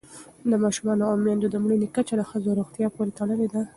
د ماشومانو او میندو د مړینې کچه د ښځو روغتیا پورې تړلې ده.